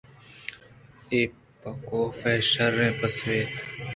اے پہ کاف ءَ شرّیں پسوئے ات